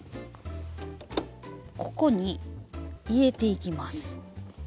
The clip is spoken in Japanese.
ここに入れていきます。